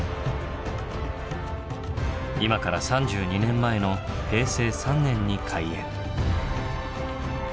今から３２年前の平成３年に開園。